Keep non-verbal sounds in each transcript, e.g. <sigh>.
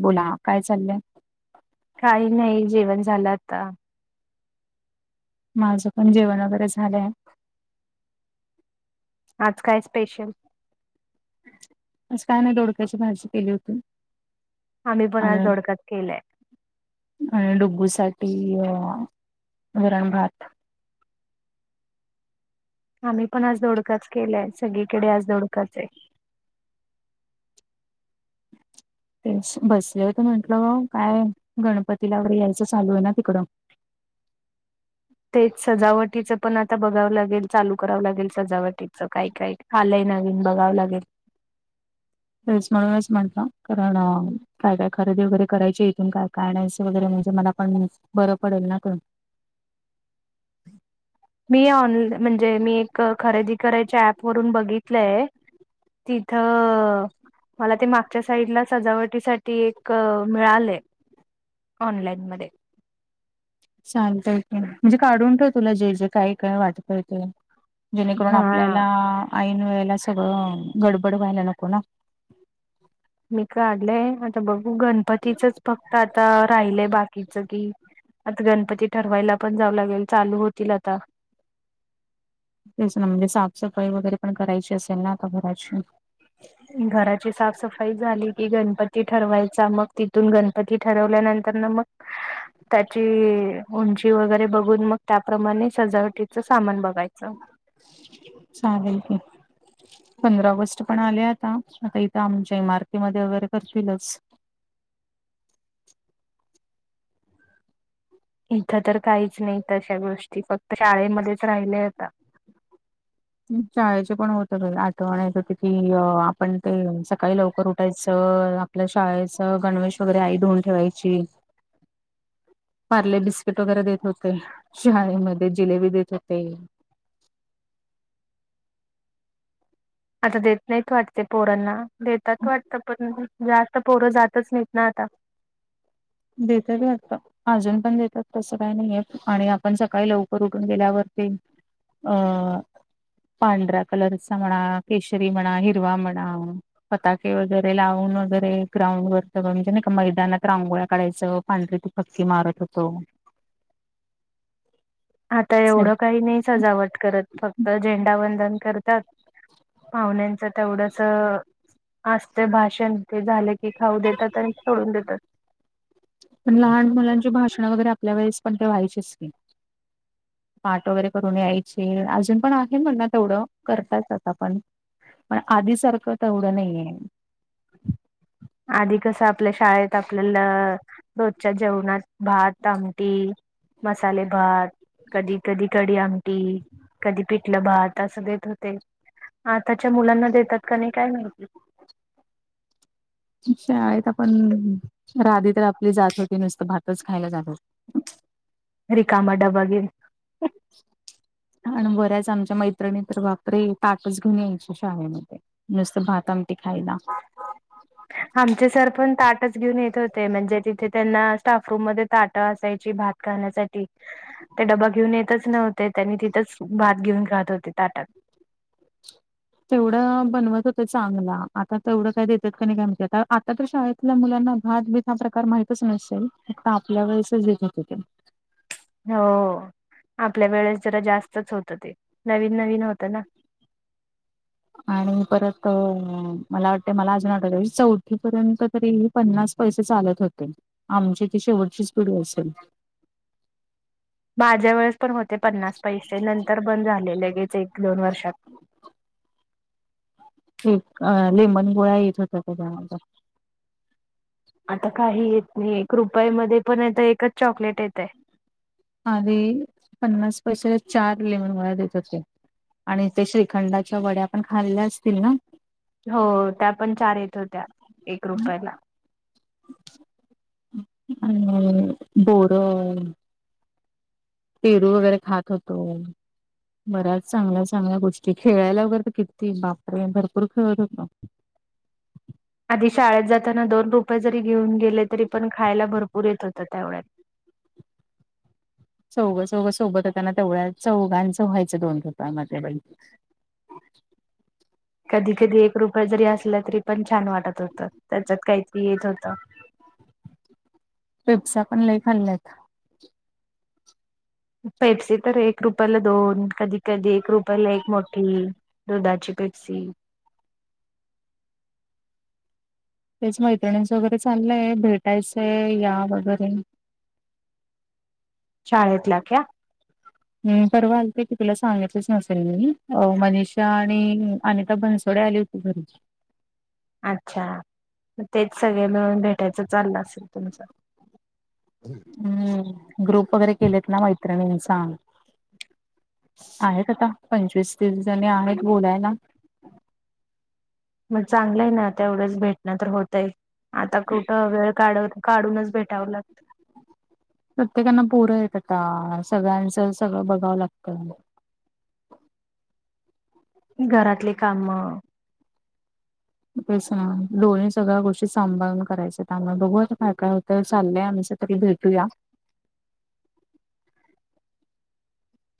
बोला काय चाललंय. काही नाही जेवण झालं आता. माझं पण जेवण वगैरे झालंय. आज काय स्पेशल? आज काय नाही दोडक्याची भाजी केली होती. आम्ही पण आणि आज दोडकाच केलाय. आणि डुग्गू साठी वरण, भात आम्ही पण आज दोडकाच केलंय सगळीकडे आज दोडकाच आहे. ते बसले हो तर म्हंटलं ग काय गणपतीला वरे यायचं चालू आहे ना तिकडं. तेच सजावटीचं पण आता बघावं लागेल चालू करावं लागेल सजावटीचं काय काय हलंय नवीन बघावं लागेल. तेच म्हणूनच म्हटलं कारण काय काय खरेदी वगैरे करायची इथून काय काय आणायचं वैगरे म्हणजे मला पण बरं पडेल ना क मी ऑन म्हणजे मी एक खरेदी करायच्या ऍपवरून बघितलंय तिथं मला ते मागच्या साईडला सजावटीसाठी एक मिळालय ऑनलाईन मध्ये चालतय की म्हणजे काढून ठेव तुला जे जे काय काय वाटत ते जेणेकरून हा आपल्याला ऐनवेळेला सगळं गडबड व्हायला नको ना. मी काढलंय आता बघू गणपतीचच फक्त आता राहिलय बाकीचं की आत गणपती ठरवायला पण जावं लागेल चालू होतील आता तेच ना म्हणजे साफसफाई वगैरे पण करायची असेल ना आता घराची? घराची साफसफाई झाली कि गणपती ठरवायचा मग तिथून गणपती ठरवल्यानंतरन मग <inaudible> त्याची उंची वगैरे बघून मग त्याप्रमाणे सजावटीच सामान बघायचं. चालेल की. पंधरा ऑगस्ट पण आले आता आता इथं आमच्या इमारती मध्ये वगैरे करतीलच. इथं तर काहीच नाही तशा गोष्टी फक्त शाळेमध्येच राहिल्या आहे आता. शाळेचे पण होते बाई आठवण येते किती आपण ते सकाळी लवकर उठायचं आपल्या शाळेच गणवेश वगैरे आई धुऊन ठेवायची <inaudible> पार्ले बिस्किट वगैरे देत होते शाळेमधे जिलेबी देत होते. आता देत नाहीत वाटते पोरांना देतात वाटत पण जा स्त पोरं जातच नाहीत ना आता. देत्यात वाटत. आजून पण देतात तसं काही नाहीय आणि आपण सकाळी लवकर उठून गेल्यावरती अ पांढऱ्या कलरचा म्हणा, केशरी म्हणा, हिरवा म्हणा पताके वगैरे लावून वगैरे ग्राउंडवरत म्हणजे नाही का मैदानात रांगोळ्या काडायचं पांढरी त पक्की मारत होतो. आता एवढं पण काही नाही सजावट करत फक्त झेंडावंदन करतात पाहुण्यांचं तेवढस आसत भाषण ते झाल की खाऊ देतात आणि सोडून देतात. पण लहान मुलांची भाषणं वगैरे आपल्या वेळेस पण ते व्हायचीच की. पाठ वगैरे करून यायचे आजून पण आहे म्हणा तेवढं करतात आता पण पण आधीसारखं तेवढं नाही आहे. आधी कसं आपल्या शाळेत आपल्याला रोजच्या जेवणात भात, आमटी मसाले भात कधी कधी कडी आमटी कधी पिठलं भात असं देत होते. आताच्या मुलांना देतात का नाही काय माहिती? शाळेत आपण राधी तर आपली जात होती नुसतं भातच खायला जात हो रिकामा डबा घेऊन. <inaudible> आणि बऱ्याच आमच्या मैत्रिणी तर बापरे ताटच घेऊन यायच्या शाळेमध्ये. नुसतं भातामटी खायला आमचे सर पण ताटच घेऊन येत होते म्हणजे तिथे त्यांना स्टाफरूम म ताट असायची भात खण्यासाठी ते डबा घेऊन येतच नव्हते त्यांनी तिथंच भात घेऊन खात होते ताटात. <inaudible> तेवढं बनवत होतं चांगला आता तेवढं काय देत्यात काय नाही काय माहिती आता तर आता शाळेत आपल्या मुलांना भात भीत हा प्रकार माहितच नसेल फक्त आपल्या वेळेसच देत होत होते हो आपल्या वेळेस जरा जास्तच होतं ते नवीन नवीन होतं ना आणि परत मला वाटते मला अजून आट चौथी पर्यंत तरी, पन्नास पैसे चालत होते आमची ती शेवटची स्पीढ असेल माझ्या वेळेस पण होते पन्नास पैसे नंतर बंद झालेलेगेच एक दोन वर्षात ठीक लेमन गोळा येत होता त्याच्या आता काही येत नाही एक रुपया मध्ये पणता एकच चॉकलेट येत आहे आधी पन्नास पैसेला चार लेमन वळा देत होते आणि ते श्रीखंडाच्या वड्या पण खाल्ल्या असतील ना हो त्या पण चार येत होत्या एक रुपयाला अ बोर पेरू वगैरे खात होतो बऱ्याच चांगल्या चांगल्या गोष्टी खेळायला वगैर तर किती बापरे भरपूर खेळत होत आधी शाळेत जाताना दोन रुपये जरी घेऊन गेले तरी पण खायला भरपूर येत होतं त्यावढ्यात चौगं चौग सोबत होताना तेवढ्या चौघांचं व्हायचं दोन घप म ब कधी कधी एक रुपय जरी असलं तरी पण छान वाटत होतं त्याच्यात काहीतरी येत होतं पेपसा पण नाही खाल्ल्यात पेपसे तर एक रुपयाला दोन कधी कधी एक रुपयाला एक मोठी दुधाची पिकिक्सी तेच मैत्रिणींच वगैरे चाललंय भेटायचंय या वगैरे शाळेतल्या क्या परवा आलते की तुला सांगितच नसेल मी मनीषा आणि अनिता बनसोडे आली होती बरं अच्छा तेच सगळे मिळून भेटायचं चाललं असेल तुमचं हम् हम्म ग्रुप वगैरे केलेत ना मैत्रिणीं सांग आहे का आता पंचवीस तीस जणी आहेत बोलायला मग चांगलं आहे ना ते एवढंच भेटणं तर होतंय आता कुठं वेळ काढ काढूनच भेटावं लागतं प्रत्येकांना पोरं य आता सगळ्यांचं सगळं बघावं लागतं घरातले काम ां दोन्ही सगळ्या गोष्टी सांभाळून करायच आम बघू आता काय काय होतं चाललंय आमच री भेटूया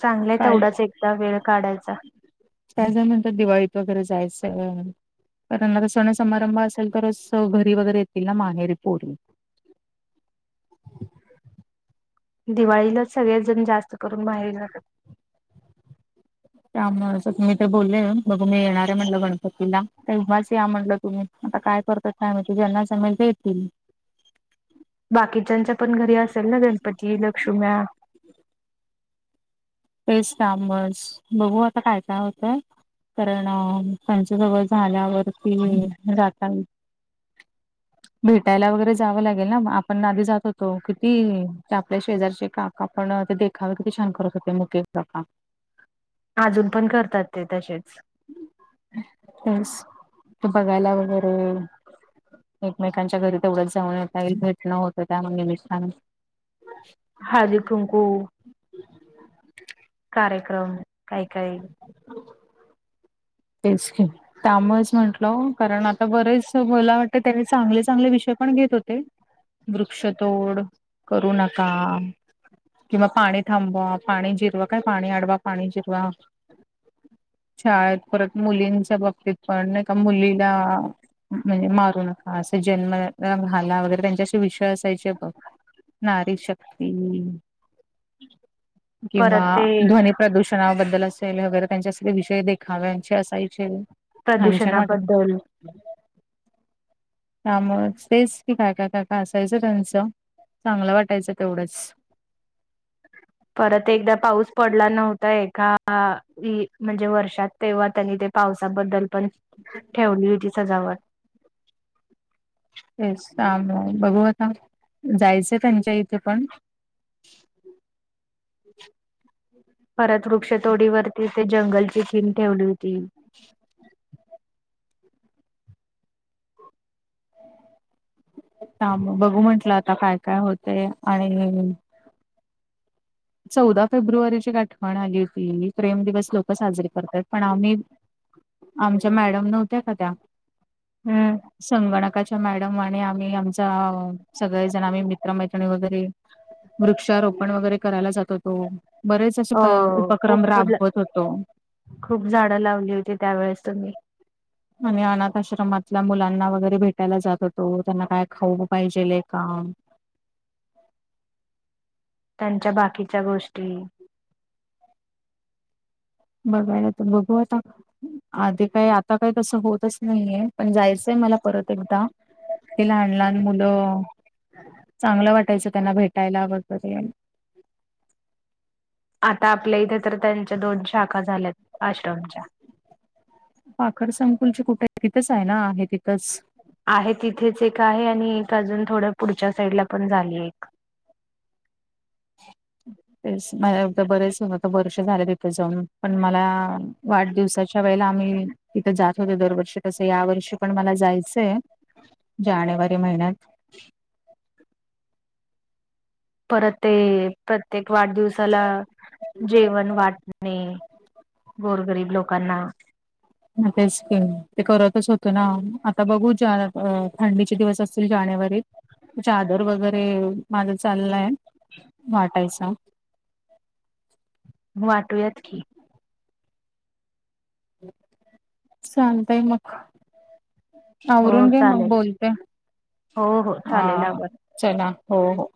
चांगलंय काय तेवढाच एकदा वेळ काढायचा त्याच्यानंतर दिवाळीत वगैरे जायचं कारण सण समारंभ असेल तरच घरी वगैरे येतील ना माहेरी पोर्णी दिवाळीला सगळे्यात जण जास्त करून बाहेर जातात त्यामुळे असं तुम्ही ते बोलले बघ मी येणार आहे म्हणल गणपतीला तर उव्हाच या म्हणलं तुम्ही आता काय करतात का आम्ही त ज्यांना सांमल येतील बाकीच्याच्या पण घरी असेल ना गणपती लक्ष्मीम्याळा तेस आबस बघू आता काय काय होतंय कारण त्यांच्या जवळ झाल्यावरती जात <inaudible> भेटायला वगैरे जावं लागेल ना आपण आधी जात होतो किती आपल्या शेजारचे काप आपण ते देखावे किती छान करत होते मुकेश ज का अजून पण करतात ते तसेच त बघायला वगैरे एकमेकांच्या घरी तेवढंच जाऊन येता येईल भेटणं होतं त्या निमित्तान हादी तुमकू कार्यक्रम काही काही तेचक त्यामुळेच म्हटल कारण आता बरेच मला वाटते त्या चांगले चांगले विषय पण घेत होते वृक्षतोड करू नका किंवा पाणी थांबवा पाणी जिरवा काय पाणी अडवा पाणी जिरवा शाळेत परत मुलींच्या बाबतीत पण नाही का मुलीला म्हणजे मारू नका असं जन्म घाला वगैरे त्यांच्याशी विषय असायचे बघ नारी शक्ती किंवा परत ते ध्वनी प्रदूषणाबद्दल असेल वगैरे त्यांचे सगळे विषय देखावचे असायचे हानच्याछान वाट का प्रदूषणाबद्दल <inaudible> त्यामुळे तेच की काय काय काय काय असायचं त्यांचं चांगलं वाटायचं तेवढंच परत एकदा पाऊस पडला नव्हता ए का ह म्हणजे वर्षात तेव्हा त्यांनी ते पावसाबद्दल पण ठेवली होती सजावट येस बघू आता जायचंय त्यांच्या इथे पण परत वृक्षतोडीवरती ते जंगलची थम ठेवली होती छ बघू म्हंटलं आता काय काय होते आणि चौदा फेब्रुवारीची गठवण आली होती प्रेम दिवस लोक साजरी करतात पण आम्ही आमच्या मॅडम नव्हत्या का त्या हम्म संगणकाच्या मॅडम आणि आम्ही आमचा सगळेजण आम्ही मित्रमैत्रिणी वगैरे वृक्षारोपण वगैरे करायला जात होतो बरेच असे हो खूप उपक्रम राबवत होतो खूप झाडं लावली होती त्यावेेळेस तुम्ही आणि अनाथ आश्रमातल्या मुलांना वगैरे भेटायला जात होतो त्यांना काय खाऊ पाहिजेल काम त्यांच्या बाकीच्या गोष्टी बघबायला तर बघू आता आधी काय आता काही तस होतच नाहीये पण जायचंय मला परत एकदा हेि लहान लहान मुलं चांगलं वाटायचं त्यांना भेटायला वगैरे आता आपल्या इथे तर त्यांच्या दोन शाखा झाल्यात आश्रमच्या पाखर संकुल कुठे तिथंच आहे ना आहे तिथंच आहे तिथेच एक आहे आणि एक अजून थोडं पुढच्या साईडला पण झाली एक तेझ बरेच होता वर्ष झाले तिथे जाऊन पण मला वाढदिवसाच्या वेळेला आम्ही तिथं जात होतो दरवर्षी तसं या वर्षी पण मला जायचंय जानेवारी महिन्यात <inaudible> परत ते प्रत्येक वाढदिवस ला जेवण वाटणे गोरगरीब लोकांना तेच ते करतच होत ना आता बघू ज थंडीचे दिवस असतील जानेवारीत चादरवगैरे माझं चाललंय वाटायचा वाटूयात की चाांलतय मग हो आवरुून घे मग चालेल बोलते हो हो चालेल आवडेल हा ला हो हो